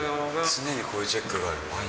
常にこういうチェックがある？